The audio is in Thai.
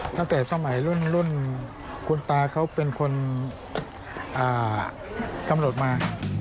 ตั้งแต่สมัยรุ่นคุณตาเขาเป็นคนกำหนดมา